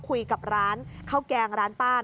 คุยกับร้านข้าวแกงร้านป้า